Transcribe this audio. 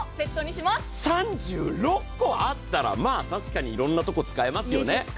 ３６個あったら確かにいろんなとこ、使えますよね。